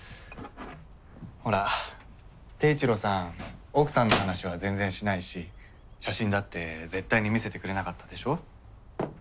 ほら貞一郎さん奥さんの話は全然しないし写真だって絶対に見せてくれなかったでしょ。